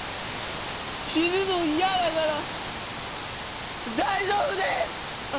死ぬの嫌だから大丈夫です！